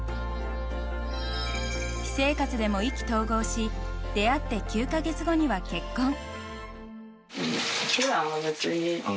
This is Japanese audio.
私生活でも意気投合し出会って９か月後には結婚。